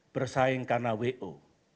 bersaing karena wo